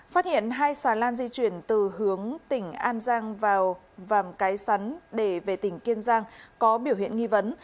phát hiện hai xà lan di chuyển từ hướng tỉnh an giang vào vàm cái sắn để về tỉnh kiên giang có biểu hiện nghi vấn